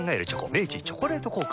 明治「チョコレート効果」